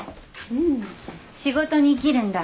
仕事に生きるんだ。